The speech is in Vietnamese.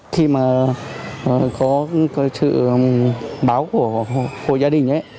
khi mà có cái sự báo của cô gia đình ấy